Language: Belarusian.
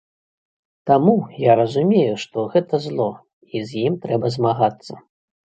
Таму, я разумею, што гэта зло і з ім трэба змагацца.